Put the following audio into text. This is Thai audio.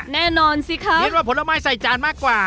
แน่นอนสิคะคิดว่าผลไม้ใส่จานมากกว่า